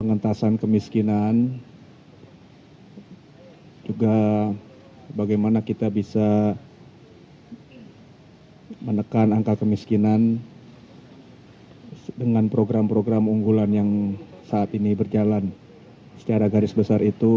pengentasan kemiskinan juga bagaimana kita bisa menekan angka kemiskinan dengan program program unggulan yang saat ini berjalan secara garis besar itu